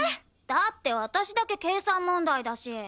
だって私だけ計算問題だし。